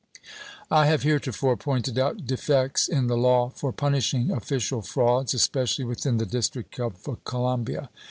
I have heretofore pointed out defects in the law for punishing official frauds, especially within the District of Columbia.